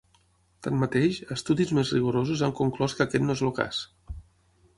Tanmateix, estudis més rigorosos han conclòs que aquest no és el cas.